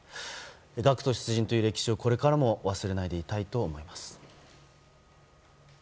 学徒出陣という歴史をこれからも忘れないでいたいと思います。